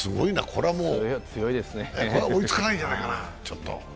これはもう追いつかないんじゃないかな、ちょっと。